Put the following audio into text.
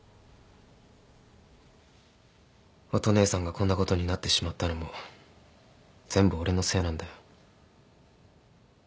乙姉さんがこんなことになってしまったのも全部俺のせいなんだよ。